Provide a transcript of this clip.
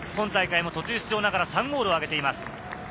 今大会も途中出場ながら３ゴールをあげています。